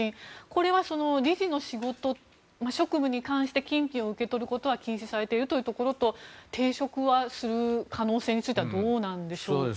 これは理事の仕事職務に関して金品を受け取ることは禁止されているというところと抵触する可能性についてはどうなんでしょうか。